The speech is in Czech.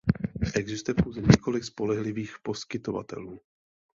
Existuje pouze několik spolehlivých poskytovatelů.